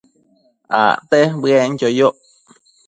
Acte bëenquio yoc